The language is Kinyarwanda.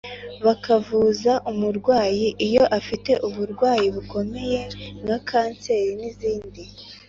bakavuza umurwayi iyo afite uburwayi bukomeye nka canseri n‘izindi…